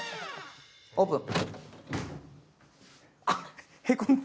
オープン。